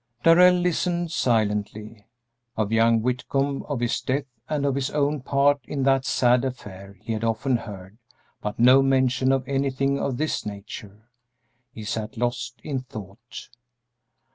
Darrell listened silently. Of young Whitcomb, of his death, and of his own part in that sad affair he had often heard, but no mention of anything of this nature. He sat lost in thought.